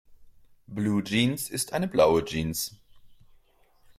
Bluejeans ist eine blaue Jeans.